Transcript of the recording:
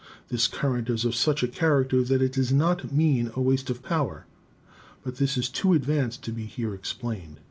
This current is of such a character that it does not mean a waste of power — but this is too advanced to be here explained.